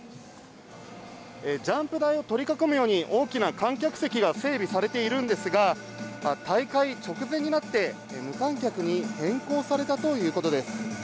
ジャンプ台を取り囲むように大きな観客席が整備されていますが大会直前になって無観客に変更されたということです。